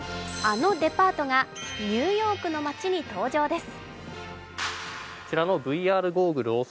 あのデパートがニューヨークの街に登場です。